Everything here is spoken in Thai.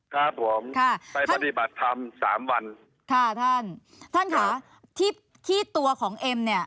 ครับผมค่ะไปปฏิบัติธรรมสามวันค่ะท่านท่านค่ะที่ที่ตัวของเอ็มเนี่ย